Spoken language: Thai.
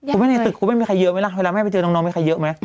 คุณแม่ในตึกคุณไม่มีใครเยอะไหมล่ะเวลาแม่ไปเจอน้องมีใครเยอะไหม